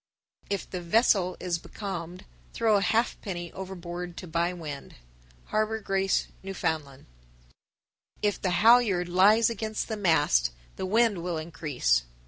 If the vessel is becalmed, throw a halfpenny overboard to buy wind. Harbor Grace, N.F. 1058. If the halyard lies against the mast, the wind will increase.